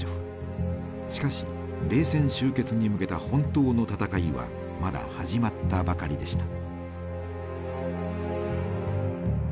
しかし冷戦終結に向けた本当の闘いはまだ始まったばかりでした。